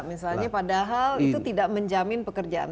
misalnya padahal itu tidak menjamin pekerjaan